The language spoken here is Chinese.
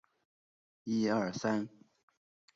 纪录片播出后在日本国内引起强烈反响。